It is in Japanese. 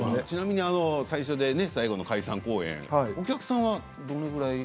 最初で最後の解散公演お客さんはどれぐらい？